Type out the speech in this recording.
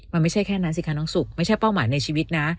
มันไม่ใช่แค่นั้นสิคะน้องสุกไม่ใช่เป้าหมายในชีวิตนะ